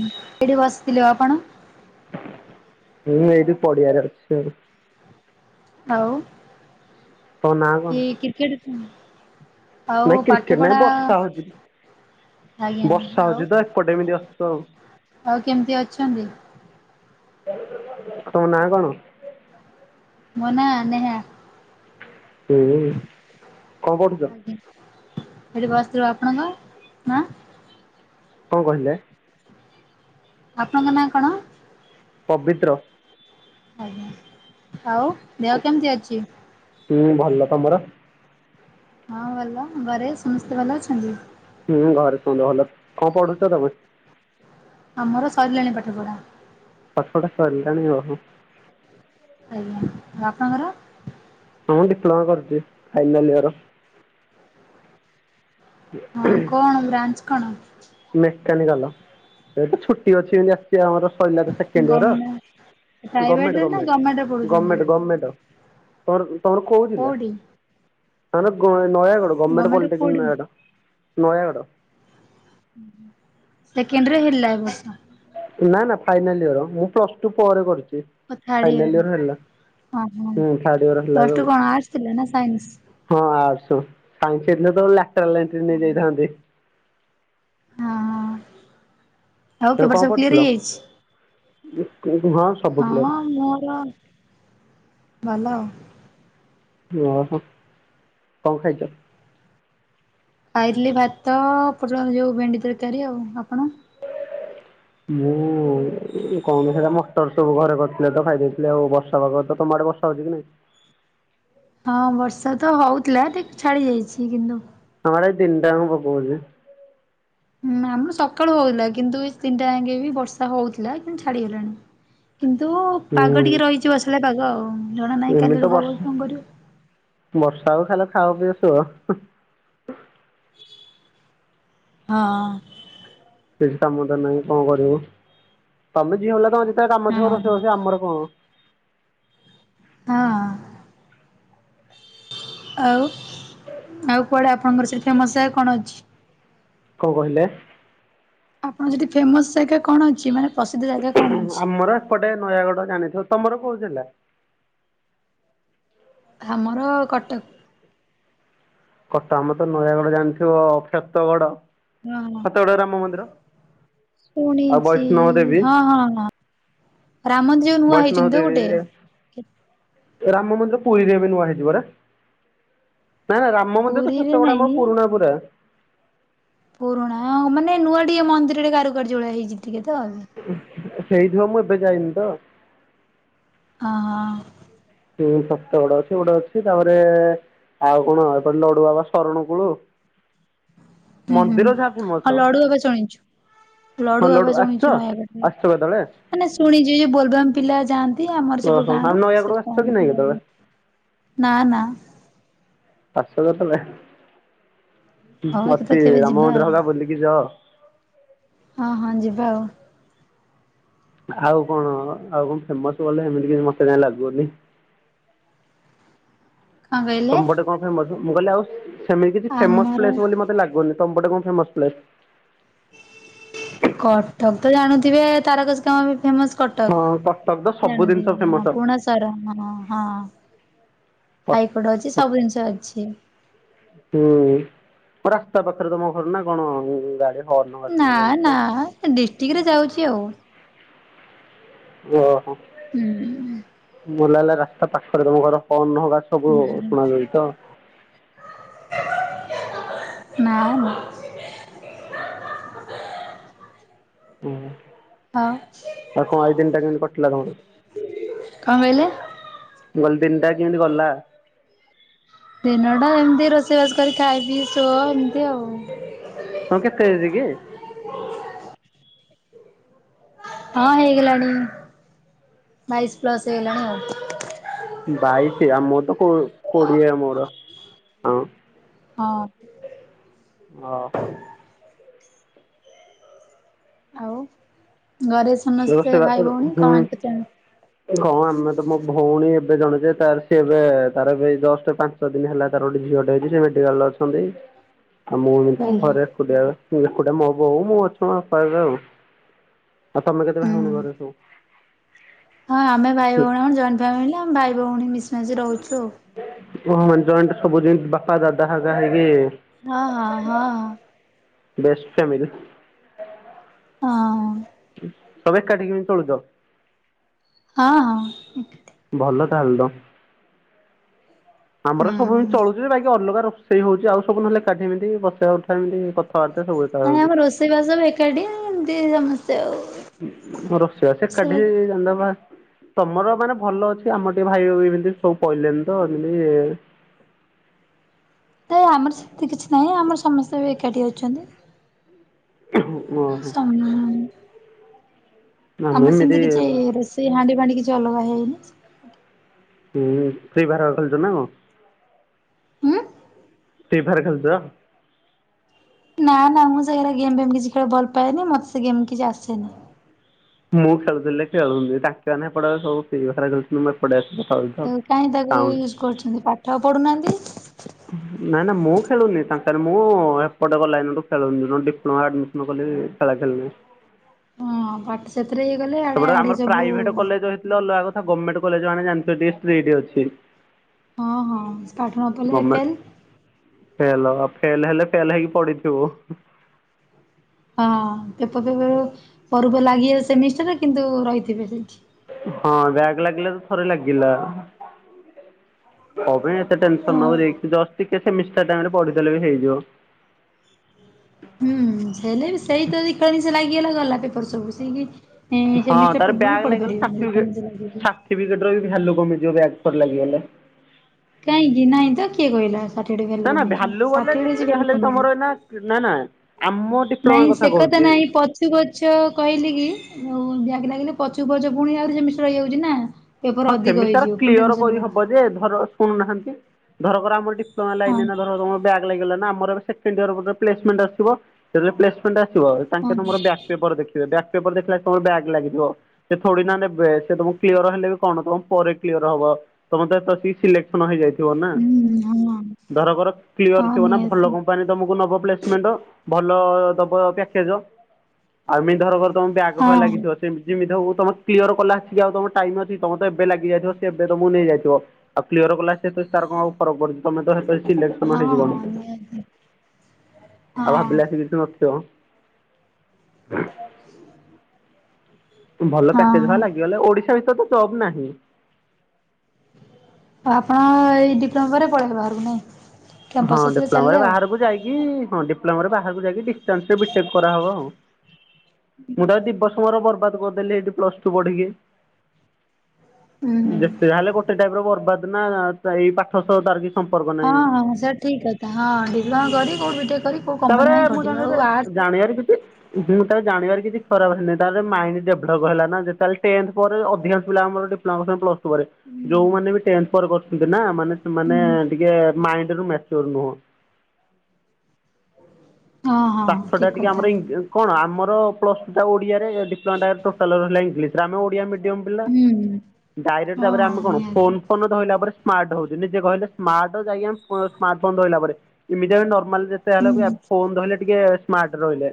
ହୁଁ ଏଇଠି ବସିଥିଲୁ ଆପଣ? ମୁଁ ଏଇଠି ପଡିଆରେ ଅଛି ଆଉ। ଆଉ ତମ ନାଁ କଣ? କି କ୍ରିକେଟ। ଆଉ ନାଇଁ କ୍ରିକେଟ ନାଇଁ ପାଠପଢା। ବର୍ଷା ହଉଛି। ଆଜ୍ଞା ବର୍ଷା ଆଉ, ହଉଛି ତ ଏପଟେ ଏମିତି ଅଛୁ ଆଉ। ଆଉ କେମିତି ଅଛନ୍ତି? ତମ ନାଁ କଣ। ମୋ ନାଁ ନେହା। ହୁଁ କଣ ପଢୁଛ? ମୁଁ ଏଠି ବସିଥିଲୁ ଆପଣଙ୍କ ନା। କଁ କହିଲେ? ଆପଣଙ୍କ ନାଁ କଣ? ପବିତ୍ର। ଆଜ୍ଞା ଆଉ ଦେହ କେମିତି ଅଛି? ହୁଁ ଭଲ, ତମର? ହଁ ଭଲ, ଘରେ ସମସ୍ତେ ଭଲ ଅଛନ୍ତି? ହୁଁ ଘରେ ସମତେ ଭଲ, କଁ ପଢୁଛ ତମେ? ଆମର ସରିଲାଣି ପାଠପଢା। ପାଠପଢା ସରିଲାଣି ଓ ହୋ। ଆଜ୍ଞା ଆଉ ଆପଣଙ୍କର। ହଁ ମୁଁ ଡିପ୍ଲୋମା କରୁଛି ଫାଇନାଲ ଇଅର। ହଁ କଣ ବ୍ରାଞ୍ଚ କଣ? ମେକାନିକାଲ ଏଇ ତ ଛୁଟି ଅଛି ଏନ୍ତି ଆସିଛି ଆମର ସଇଲା ତ ସେକେଣ୍ଡ ଇଅର। ଗମେ ଗମେଣ୍ଟେ ପ୍ରାଇଭେଟରେ ନା ଗଭର୍ଣ୍ଣମେଣ୍ଟରେ ଗମେଣ୍ଟେ ପଢୁଛନ୍ତି ଗମେଣ୍ଟେ ଗମେଣ୍ଟ ତମର ତମର କୋଉ ଜିଲ୍ଲା? କୋଉଠି ତାମାନେ ନୟାଗଡ଼। ଗମେଣ୍ଟ ଗଭର୍ଣ୍ଣମେଣ୍ଟ ପଲିଟେକ୍ନିକ୍ କୋଉଠି? ନୟାଗଡ଼ ନୟାଗଡ଼। ସେକେଣ୍ଡରେ ହେଲା ବର୍ଷେ। ନା ନା ଫାଇନାଲ ଇୟର, ମୁଁ ପ୍ଲସ ଟୁ ପରେ କରିଛି। ଓ ଥାର୍ଡ ଫାଇନାଲ ଇୟର ହେଲା, ହଁ ହଁ ହୁଁ ଥାର୍ଡ ଇୟର ହେଲା ପ୍ଲସ ଏବେ ଟୁ ଆଉ। କଣ ଆର୍ଟସ ଥିଲା ନା ସାଇନ୍ସ? ହଁ ଅର୍ଟସ୍ ତାଙ୍କେ ଥିଲେ ତ ଡାକ୍ତର ଲାଇନ୍ ହଁ ରେ ନେଇ। ହଁ ଆଉ ତମେ ପେପର କଣ ସବୁ କ୍ଲିୟର କରୁଥିଲ? ହେଇଯାଇଛି? [unintelligible] ହଁ ମୋର ଭଲ ଆଉ। ଓହୋ କଣ ଖାଇଛ? ଖାଇଥିଲି ଭାତ ପୋଟଳ ଯୋଉ ଭେଣ୍ଡି ତରକାରୀ ଆଉ ଆପଣ? ମୁଁ କଣ ସେଇଟା ମଟର ସବୁ ଘରେ କରିଥିଲେ ତ ଖାଇଦେଇଥିଲି ଆଉ ବର୍ଷା ପାଗ ତ ତମ ଆଡ଼େ ବର୍ଷ ହଉଛି କି ନାଇଁ? ହଁ ବର୍ଷା ତ ହଉଥିଲା ଟି ଛାଡ଼ି ଯାଇଛି କିନ୍ତୁ। ଆମ ଆଡ଼େ ଆଜି ଦିନିଟା ଅଙ୍କ ପକଉଛି। ହୁଁ ଆମର ସକାଳୁ ହଉଥିଲା କିନ୍ତୁ ଏ ତିନିଟା ଆଙ୍କେ ବି ବର୍ଷା ହଉଥିଲା କିନ୍ତୁ ଛାଡ଼ିଗଲାଣି। କିନ୍ତୁ ପାଗ ହୁଁ ଟିକେ ରହିଛି ବର୍ଷାଳିଆ ପାଗ ଆଉ। ଜଣା ନାହିଁ ଏମିତି କାଲିରୁ ତ ହବ କି ବର୍ଷ କଣ କରିବ। ବର୍ଷା ହଉ ଖାଲି ଖାଅ ପିଅ ସୁଅ ହଁ। ହଁ। କିଛି କାମ ତ ନାହିଁ କଣ କରିବୁ ତମେ ଝିଅ ପିଲା ତମର [unintelligible] କାମ ଥିବ ହଁ ରୋଷେଇ ରୋଷେଇ ଆମର କଣ? ହଁ। ଆଉ ଆଉ କୁଆଡ଼େ ଆପଣଙ୍କର ସେଇଠି ଫେମସ୍ ଜାଗା କଣ ଅଛି? କଣ କହିଲେ? ଆପଣ ସେଠି ଫେମସ୍ ଜାଗା କଣ ଅଛି ମାନେ? ପ୍ରସିଦ୍ଧ ଜାଗା କଣ ଅଛି? ଆମର ଏପଟେ ନୟାଗଡ଼ ଜାଣିଥିବ ତମର କୋଉ ଜିଲ୍ଲା? ଖାମର କଟକ। କଟ ଆମର ତ ନୟାଗଡ଼ ଜାଣିଥିବ କ୍ଷେତଗଡ଼? ହଁ। କ୍ଷେତଗଡ଼ ରେ ରାମ ମନ୍ଦିର। ଆଉ ଶୁଣିଛି ବୈଷ୍ଣବ ଦେବୀ ହଁ, ହଁ, ହଁ ରାମ ମନ୍ଦିର ଯୋଉ ନୂଆ ବୈଷ୍ଣବ ହେଇଛନ୍ତି ତ ଦେବୀ ଗୋଟେ ରାମ ମନ୍ଦିର ପୁରୀରେ ଏବେ ନୂଆ ହେଇଚି ପରା ନା ନା ରା ରାମ ମନ୍ଦିର ତ ପୁରୀରେ କ୍ଷେତଗଡ଼ ନାଇଁ ଆମ ପୁରୁଣା ପୁରା ପୁରୁଣା ମାନେ ନୂଆ ଟିକେ ମନ୍ଦିରରେ କାରୁକାର୍ଯ୍ୟ ଭଳିଆ ହେଇଛି ଟିକେ ତ? ହେଇଥିବ ମୁଁ ଏବେ ଯାଇନି ତ ଆ ହ। ହୁଁ ଫତଗଡ଼ ଅଛି ଗୋଟେ ଅଛି ଗୋଟେ ଅଛି ତାପରେ ଆଉ କଣ ଏପଟେ ଲଡ଼ୁ ବାବା ଶରଣକୂଳୁ ହୁଁ ହୁଁ ଫେମସ ଆଉ ଲଡ଼ୁ ବାବା ଯୁଣିଛୁ। ହଁ ଲଡ଼ୁ ଲଡୁ ବାବା ଆସିଛ ଶୁଣିଛୁ ନୟାଗଡ଼ରେ ଆସିଛ କେତେବେଳେ? ମାନେ ଶୁଣିଛି ଯୋଉ ବୋଲବାମ୍ ପିଲା ଯାଆ ନ୍ତି ଆମର ସେପଟୁ ଓହୋ ଆଉ ଗାଁରୁ ନୟାଗଡ଼ ସେ ଆସିଛ ତ କି ନାଇଁ କେତେବେଳେ [unintelligible] ନା ନା। ପାଶଲ ତମେ ହଉ ମୁଁ ଏକ ତ ଅଛି କେବେ ରାମ ଯିବା ଆଉ ମନ୍ଦିର ହରିକା ବୁଲିକି ଯାଅ। ହଁ ହଁ ଯିବା ଆଉ। ଆଉ କଣ ଆଉ କଣ ଫେମସ୍ ବୋଲେ ହେମିତି କିଛି ମତେ କାଇଁ ଲାଗୁନି କଣ କହିଲେ? ତମପଟେ କଣ ଫେମସ୍ ମୁଁ କହିଲି ଆଉ ସେମିତି କିଛି ଫେମସ ଆମର ପ୍ଲେସ୍ ବୋଲି ମତେ ଲାଗୁନି। ତମପଟେ କଣ ଫେମସ୍ ପ୍ଲେସ୍? କଟକ ତ ଜାଣୁଥିବେ ତାରକାସୀ କାମ ପାଇଁ ଫେମସ୍ ହଁ କଟକ କଟକ ତ ସବୁ ଜିନିଷ ଜାଣିଥିବେ ହଁ ଫେମସ୍ ହୁଁ ପୁରୁଣା ସହର ହଁ ହଁ। ହାଇକୋର୍ଟ ଅଛି ସବୁ ଜିନିଷ ଅଛି। ହୁଁ ରାସ୍ତା ପାଖରେ ତମ ଘର ନା କଣ? ୟାଡ଼େ ନା ନା ସେ ଡିଷ୍ଟ୍ରିକ୍ ରେ ଯାଉଛି ଆଉ। ଓହୋ। ହୁଁ। ମତେ ଲାଗିଲା ରାସ୍ତା ପାଖରେ ତମ ଘର କର୍ଣ ଘାଟକୁ ଶୁଣାଯାଉଚ। ମ୍ୟାମ୍। ହୁଁ। ଆଉ କଣ ଏଇ ଦିନଟା କେମିତି କଟିଲା କଣ କହିଲେ? ତମର? ମୁଁ କହିଲି ଦିନଟା କେମିତି ଗଲା? ଦିନଟା ଏମିତି ରୋଷେଇବାସ କରି ଖାଇ ପିଇ ଶୁଅ ଏମିତି ଆଉ। ତମକୁ କେତେ ଏଜ୍ ଗି? ହଁ ହେଇଗଲାଣି ବାଇଶି ପ୍ଲସ୍ ହେଇଗଲାଣି ଆଉ। ବାଇଶି ଆ ମୋର ତ କୋ-କୋଡିଏ ମୋର ହଁ। ହଁ। ଅହ। ଆଉ ଘରେ ସମସ୍ତେ ଭାଇ ଭଉଣୀ କଣ କେତେ? ହଁ ଆମେ ତ ମୋ ଭଉଣୀ ଏବେ ଜଣେ ଯେ ତାର ସିଏ ଏବେ ତାର ଏବେ ଏଇ ଜଷ୍ଟ ପା ଞ୍ଚ ଦିନି ହେଲା ତାର ଗୋଟେ ଝିଅଟେ ହେଇଚି ସେ ମେଡିକାଲରେ ଅଛନ୍ତି। ହା ଆଉ ମୁଁ ଏମିତି ଆମ ଘରେ ଏକୁଟିଆ ଏକୁଟିଆ ମ ବଉ ମୁଁ ଅଛୁ ଘରେ ଆଉ। ଆଉ ତମେ କେତେ ଭାଇ ହୁଁ। ଭଉଣୀ ଘରେ ସବୁ। ହଁ ଆମେ ଭାଇ ଭଉଣୀ ଆମର ଜଏଣ୍ଟ ଫ୍ୟାମିଲି ଆମେ ଭାଇ ଭଉଣୀ ମିଶି ମାଶି ରହୁଚୁ ଆଉ। ଓ ହ ଜଏଣ୍ଟ ସବୁ ଜେନ୍ତି ବାପା ଦାଦା ହେରେଗା ହେଇକି। ହଁ ହଁ ହ। Best family. ହଁ। ସବୁ ଏକାଠିଗିନି ଚଳୁଚ। ହଁ ହଁ। ଭଲ ତାହେଲେ ତ ହୁଁ ଆମର ସବୁ ହିନ୍ ଚଳୁଛୁ ଯେ ବାଇକି ଅଲଗା ର ସେଇ ହଉଚି ଆଉ ସବୁ ନହେଲେ ଏକାଠି ଏମିତି ବସା ଉଠା ଏମିତି କଥାବାର୍ତା ସବୁ ଏକା [unintelligible] ହଉଚି। ସେଇ ବାସ୍ ସବୁ ଏକାଠି ଏମିତି ସମସ୍ତେ ଆଉ। ରୋଷେଇ ବାସ ସେ ଏକାଠି ଜାଣଦବା। ତମର ମାନେ ଭଲ ଅଛି ଆମର ଟିକେ ଭାଇଉ ଏମିତି ସବୁ ପଇଲେନି ତ ଏମତି। ନାଇଁ ଆମର ସେତେ କିଛି ନାହିଁ ଆମର ସମସ୍ତେ ବି ଏକାଠି ଅଛନ୍ତି। ଓହୋ ସମ ଆମେ ଆମର ସେମିତି ଏମିତି କିଛି ରୋଷେଇ ହାଣ୍ଡି ଫାଣ୍ଡି କିଛି ଅଲଗା ହେଇନି। ହୁଁ ଫ୍ରି ଫାଆର ଖେଳୁଛ ନା କଣ। ଉଁ। ଫ୍ରି ଫ୍ରାୟରେ ଖେଳୁଚ? ନା ନା ମୁଁ ସେ ଗୋରା ଗେମ୍ ଫେମ୍ କିଛି ଖେଳ ଭଲ ପାଏନି ମତେ ସେ ଗେମ୍ କିଛି ଆସେନି। ମୁଁ ଖେଳୁଥିଲେ ଖେଳୁଜି ତାଙ୍କେ ମାନେ ଏପଟ ସବୁ [unintelligible] ମୁଁ ଏପଟେ ଖେଳୁଜି ତ ସାଉଣ୍ଡ। ତାକୁ କାହିଁ ତାକୁ ୟୁଜ୍ କରୁଛନ୍ତି ପା ଠ ପଢୁ ନାହାନ୍ତି। ନା ନା ମୁଁ ଖେଳୁନି ତାଙ୍କ ସାରେ ମୁଁ ଏପଟେ ଗଲା ଦିନଠୁ ଖେଳୁନି ଡିପ୍ଲୋମା ଆ ମୁଁ ଗଲେ ଖେଳା ଖେଲୁନି। ହଁ ଭଟ୍ସ ସେଥିରେ ଇଏ ଗଲେ। ସେପଟରେ ଆମର ପ୍ରାଇଭେଟ କଲେଜ ହେଇଥିଲେ ଅଲଗା କଥା ଗମେଣ୍ଟ କଲେଜ ମାନେ ଜାଣିଥିବ ଟିକେ ଷ୍ଟ୍ରିଟି ଅଛି। ହଁ ହଁ ପାଠ ନ ପଢ଼ିଲେ ଏ ଫେଲ୍। ଫେଲ ଫେଲେ ହେଲେ ଫେଲେ ହେଇକି ପଡିଥିବୁ। ହଁ ପେପର ଫେପର ପର୍ବ ଲାଗି ସେମିଷ୍ଟାର କିନ୍ତୁ ରହିଥିବେ ସେଠି। ହଁ ବ୍ୟାଗ୍ ଲାଗିଲେ ତ ଥରେ ଲାଗିଲା। କଣ ପାଇଁ ଏତେ ଟେନସନ ହଁ ନବ। [unintelligible] ଜଷ୍ଟ ଟିକେ ସେମିଷ୍ଟର ଟାଇମ୍ ରେ ପଢ଼ି ଦେଲେ ବି ହେଇଯିବ। ହୁଁ ହେଲେ ବି ସେଇ ତ [unintelligible] ଲାଗିଗଲା ଗଲା ପେପର ସବୁ [unintelligible] ହଁ ସେମିଷ୍ଟର ପୂର୍ବରୁ ବି ପଢିପାରିବେନି। [unintelligible] ସାର୍ଟିଫିକେଟ ର ବି ଭ୍ୟାଲୁ କମିଯିବ ବ୍ୟାକ୍ ଥରେ ଲାଗିଗଲେ। କାହିଁକି? ନାଇଁ ତ କିଏ କହିଲା ସା ସାର୍ଟିଫିକେଟ ର ନା ନା ଭ୍ୟାଲୁ କମିଯିବ? ବୋଲେ ‌ସାର୍ଟିଫିକେଟ ର ଯେତେ ଯାହା କିଛି ହେଲେ ବି ଭ୍ୟାଲୁ କହିବନି। ତୁମର ଏଇନା ନା ନା ଆମ ଡିପ୍ଲୋମା ନାଇଁ ସେ କଥା କହୁଛି ନାଇଁ ପ ପଛୁକୁ ପଛ କହିଲି କି ଆଉ ବ୍ୟାଙ୍କ୍ ଲାଗିଲେ ପଛୁକୁ ପଛ ପୁଣି ଆହୁରି ସେମିଷ୍ଟର ରହିଯାଉଛି ନା। ପେପର ହଁ ଅଧିକ ସେମିଷ୍ଟାର ହେଇଯିବ ପୁଣି କ୍ଲିୟର ଟେନସନ୍ କରିହବ ବଢିଯିବ। ଯେ ଧର ଶୁଣୁନାହାନ୍ତି, ଧରକର ଆମର ଏଠି ହଁ [unintelligible] ବ୍ୟାକ୍ ଲାଗି ଗଲା ନା, ଆମର ଏବେ ସେକେଣ୍ଡ ୟିଅର୍ ପ୍ଲେସମେଣ୍ଟ ଆସିବ। ଯେତେବେଳେ ପ୍ଲେସମେଣ୍ଟ ଆସିବ ହଁ ସିଏ ତମର ବ୍ୟାକ୍ ପେପର ଦେଖିବେ। ବ୍ୟା ପେପର ଦେଖିଲା ଯଦି ତମର ବ୍ୟାକ୍ ଲାଗଥିବ, ସେ ଥୋଡ଼ି ନା ନେବେ। ସିଏ ତମକୁ କ୍ଲିୟର୍ ହେଲେ ବି କଣ ତମ ପରେ କ୍ଲିୟର ହବ। ତମର [unintelligible] ସିଲେକ୍ସନ ହେଇଯାଇ ଥିବ ନା। ହୁଁ ହଁ ଧରକର କ୍ଲିୟର ହଁ ଥିବ ନା ଭଲ ନିହାତି। କମ୍ ପାନୀ ତମକୁ ନବ ପ୍ଲେସମେଣ୍ଟ। ଭଲ ଦବ ପ୍ୟାକେଜ, ଆଉ ଏମିତି ଧରକର ତମ ବ୍ୟାକ୍ ଫ୍ୟାକ୍ ହଁ ଲାଗିଥିବ, ସେ- ଯେମିତି ହଉ ତମର କ୍ଲିୟର କଲା ଆସକି ଆଉ ତମର ଟାଇମ ଅଛି? ତମର ତ ଏବେ ଲାଗି ଯାଇଥିବ, ସିଏ ଏବେ ତମକୁ ନେଇଯାଇଥିବ। ଆଉ କ୍ଲିୟର କଲା ସେ ତାର କଣ ଫରକ ପଡୁଛି। ତମେ ତ ସିଲେକ୍ସନ ହଁ ହେଇଯିବଣି। ହଁ ନିହାତି। ହଁ ଆଉ ଭାବିଲେ ହଁ ଆସିକି କିଛି ନଥିବ। [inaudible] [inaudible] ଭଲ ପ୍ୟାକେଜ୍ ଆଉ ଲାଗିଗଲେ, ଓଡ଼ିଶା ଭିତରେ ତ ଜବ୍ ନାହିଁ। ଆ-ଆପଣ ଏଇ ଡିପ୍ଲୋମା ପରେ ପଳେଇବେ ବାହାରକୁ ନାଇଁ? ହଁ କ୍ୟାମ୍ପସ୍ ଆସିଲେ ଡିପ୍ଲୋମା ପରେ ଚାଲିଲେ ଆଉ ବାହାରକୁ ଯାଇକି ହଁ ବାହାରକୁ ଯାଇକି ଡିଷ୍ଟାନ୍ସ ରେ ବି ଟେକ୍ କରାହବ ଆଉ। ମୁଁ ତ ଦି ବର୍ଷ ମୋର ବର୍ବାଦ କରିଦେଲି ଏଠି ପ୍ଲସ ଟୁ ପଢିକି। ହୁଁ ହୁଁ। ଯେତେ ଯାହା ହେଲେ ଗୋଟେ ଟାଇପ ର ବର୍ବାଦ ନା ଏଇ ପାଠ ସହ ତାର କି ହଁ ହଁ ସେଟା ଠିକ କଥା ହଁ ଡିପ୍ଲୋମା କରି କୋଉଠି ବି ଟେକ୍ କରି କୋଉ କମ୍ପାନୀ ତାପରେ ପାଇଁ ମୁଁ ଖଟିବେ ଆଉ ଜାଣିବାରେ ଆର୍ଟ୍ସ ଜାଣିବାରେ କିଛି ତାର ଜାଣିବାର କିଛି ଖରାପ ହେଇନି। ତାର ମାଇଣ୍ଡ ଡେଭଲପ ହେଲା ନା ଯେତେ ଯାହେଲେ ଟେନ୍ଥ ପରେ ଅଧିକାଂଶ ପିଲା ଆମର ଡି [unintelligible] ହୁଁ [unintelligible] ଯୋଉମାନେ ବି ଟେନ୍ଥ୍ ପରେ କରୁଛନ୍ତି ନା, ମାନେ ସେମାନେ ହୁଁ ଟିକେ ମାଇଣ୍ଡ ରୁ। [unintelligible] ହଁ ହଁ ପାଠ ଟା ଠିକ୍ ଟିକେ କଥା। ଆମର କଣ? ଆମର ପ୍ଲସ ଓଡ଼ିଆରେ ଡିପ୍ଲୋମା ଟା ଟୋଟାଲ ଉପରେ ହେଲା ଇଂଲିଶରେ। ଆମେ ଓଡ଼ିଆ ମିଡିୟମ ପିଲା। ହୁଁ ଡାଇରେକ୍ଟ ତାପରେ ଆମେ ହଁ କଣ ନିହାତି ଫୋନ-ଫୋନ ଧଇଲା ପରେ ସ୍ମାର୍ଟ ହଉଛୁ। ନିଜେ କହିଲେ ସ୍ମାର୍ଟ ହଉଛୁ ଆମେ ଆଜ୍ଞା ସ୍ମାର୍ଟ ଫୋନ୍ ଧଇଲା ପରେ। ଏମିତି ଆମେ ନର୍ମାଲ ଯେତେ ହେଲେ ବି ହୁଁ ଫୋନ୍ ଧଇଲେ ଟିକେ ସ୍ମାର୍ଟ ରହିଲେ।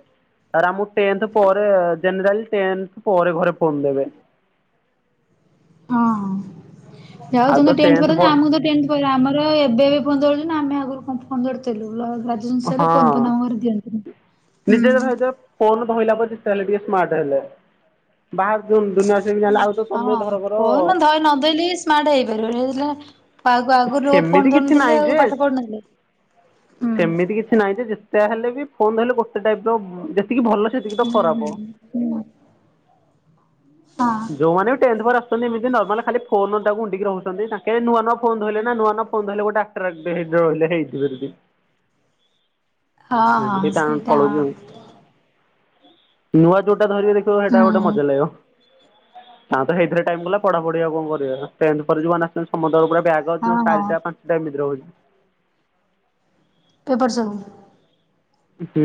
ଆମକୁ ଟେନ୍ଥ ପରେ, ଜେନେରାଲି ଟେନ୍ଥ ପରେ ଘରେ ଫୋନ୍ ଦେବେ। [inaudible] ହଁ, ଯାହା ହଉ ଆଉ ତ ତମେ ଟେନ୍ଥ୍ ଟେନ୍ଥ ପରେ ପ ତ ଆମକୁ ତ ଟେନ୍ଥ ପରେ ଆମର ଏବେ ଏବେ ଫୋନ୍ ଧରୁଛୁ ନା ଆମେ ଆଗରୁ କଣ ଫୋନ୍ ଧରୁଥିଲୁ। ସାରେ ହଁ ଫୋନ୍ ଫାନ୍ ଆମ ଘରେ ଦିଅନ୍ତି ନି। ହୁଁ। ଫୋନ ଧଇଲା ପରେ ଯେତେ ହେଲେ ଟିକେ ସ୍ମାର୍ଟ ହେଲେ। ବାହାର ଦୁନିଆ ସେ ଜାଣିଲ। ଆଉ ତ ହଁ ତମେ ଧରକର ଫୋନ୍ ନ ଧଇଲେ ଇଏ ସ୍ମାର୍ଟ ହେଇପାରିବ ନାଇଁ। ଆଗରୁ ସେମିତି ଫୋନ୍ କିଛି ଧରୁନଥିଲେ ନାହିଁ ଆଉ ଯେ ପାଠ ପଢ଼ୁନଥିଲେ? ସେମିତି କିଛି ନାହିଁ ଯେ ଯେତେ ହେଲେ ବି ଫୋନ୍ ଧଇଲେ ଗୋଟେ ଟାଇପ ର ଯେ ହୁଁ ହୁଁ ହଁ। ହଁ। ଯୋଉମାନେ ବି ଟେନ୍ଥ ପରେ ଆସୁଛନ୍ତି। ଏମତି ନର୍ମାଲ ଖାଲି ଫୋନାକୁ ଉଣ୍ଡିକି ରହୁଛନ୍ତି। ତାଙ୍କେ ନୂଆ ନୂଆ ଫୋନ ଧଇଲେ ନା ନୂଆ ନୂଆ ଧଇଲେ ଗୋଟା ହ ହେଡ ହେଇ [unintelligible] ହଁ ହଁ ସେଇଟା ପଳାଉଛି ଆଉ ହଁ। ନୂଆ ଯୋଉଟା ଧରିକି ଦେଖିବ ହଁ ସେଇଟା ଗୋଟେ ହୁଁ ମଜା ଲାଗିବ। ହଁ ତ ସେଇଥିରେ ଟାଇମ କ ଗଲା ପଢାଢିଆ କଣ କରିବା ଟେ ପରେ ଆସଛନ୍ତି ସମୁ୍ରର ପୁରା ବଗ୍ ହଁ ହଁ ଚାରିଟା ପାଞ୍ଚ ଏମିତି ହଉଛି। ତୁ ଏବର୍ଷ ହୁଁ।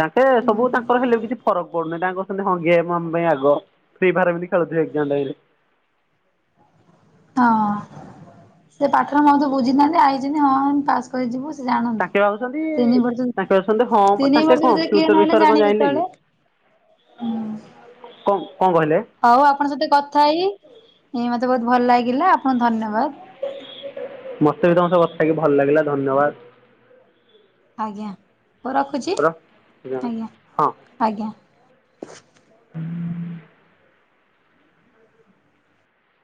ତାଙ୍କେ ସବୁ ତାଙ୍କର ହେଲେ ବି କିଛି ଫରକ ପଡୁନାହିଁ ତାଙ୍କ କଛନ୍ତି ହଁ ଗେମ ଆମ ପାଇଁ ଆଗ। ଫ୍ରୀ ଭାରି ଖେଳୁ ଏକଜାଣ୍ଡାଲେ। ହଁ ସେ ପାଠରେ ମତେ ବୁଝିଥାହାନ୍ତି ଆଇ ହଁ ପାସ୍ କରି ଯିବୁ। ତାଙ୍କେ ଭାବୁଛନ୍ତି ତାଙ୍କେ ଭାବୁଛନ୍ତି ହମ ତିନି ବର୍ଷ ତାଙ୍କେ ଭିତରେ କଣ କ୍ଲିୟର ଫ୍ୟଚର ନହେଲେ ବିଷୟରେ କଣ ଜାଣିବେ ଜାଣିଲେ ଯେତେବେଳେ କି? ହୁଁ କଣ କଣ କହିଲେ? ହଉ ଆପଣଙ୍କ ସତ କଥା ହେଇ ଏ ମତେ ବହୁତ ଭଲ ଲାଗିଲା ଆପଣଙ୍କୁ ଧନ୍ୟବାଦ। ମତେ ବି ତମ ସ କଥାକି ଭଲ ଲାଗିଲା ଧନ୍ୟବାଦ। ଆଜ୍ଞା ହଉଁ ରଖୁଛି ଧନ୍ୟବାଦ ଆଜ୍ଞା ଆଜ୍ଞା। ହୁଁ।